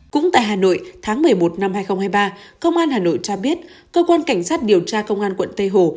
cũng tại hà nội tháng một mươi một năm hai nghìn hai mươi ba công an hà nội cho biết cơ quan cảnh sát điều tra công an quận tây hồ